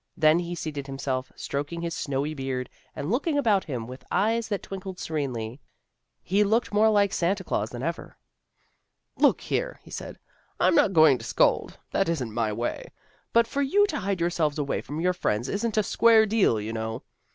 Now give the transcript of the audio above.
Then he seated himself, stroking his snowy beard, and looking about him with eyes that twinkled serenely. He looked more like Santa Glaus than ever. " Look here," he said. " I'm not going to scold. That isn't my way. But for you to hide yourselves away from your friends isn't a square deal, you know.